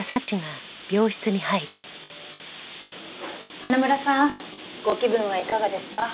花村さんご気分はいかがですか？